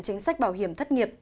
chính sách bảo hiểm thất nghiệp